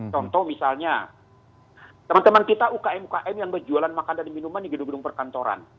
contoh misalnya teman teman kita ukm ukm yang berjualan makan dan minuman di gedung gedung perkantoran